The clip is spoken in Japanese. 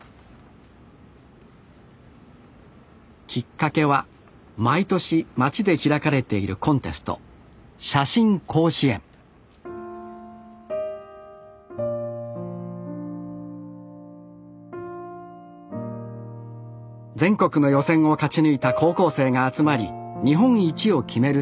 きっかけは毎年町で開かれているコンテスト「写真甲子園」全国の予選を勝ち抜いた高校生が集まり日本一を決める大会です